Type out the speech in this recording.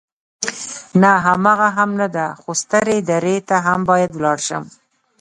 نه، هماغه هم نه ده، خو سترې درې ته هم باید ولاړ شم.